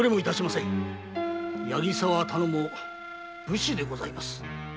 この八木沢頼母武士でございます。